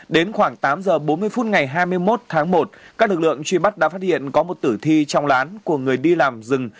đến khoảng tám giờ bốn mươi phút ngày hai mươi một tháng một các lực lượng truy bắt đã phát hiện có một tử thi trong lán của người đi làm rừng